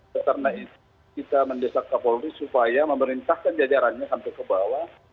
karena itu kita mendesak kepolis supaya memerintahkan jajarannya sampai ke bawah